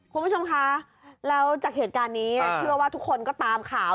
คุณผู้ชมคะแล้วจากเหตุการณ์นี้เชื่อว่าทุกคนก็ตามข่าว